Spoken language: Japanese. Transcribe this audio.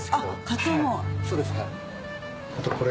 そうです。